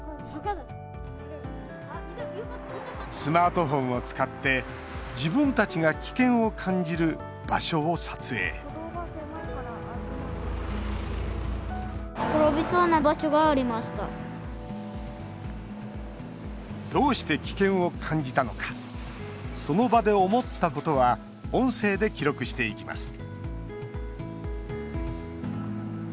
スマートフォンを使って自分たちが危険を感じる場所を撮影どうして危険を感じたのかその場で思ったことは音声で記録していきます